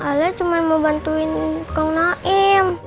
ayah cuma mau bantuin kong naim